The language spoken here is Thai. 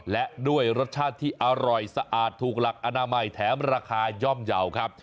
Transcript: และด้วยรสชาติที่อร่อยสะอาดถูกหลักอนามัยแถมราคาย่อมเยาว์ครับ